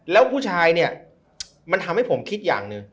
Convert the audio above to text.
แล้วผู้ชายเนี่ยมันทำให้ผมคิดอย่างหนึ่ง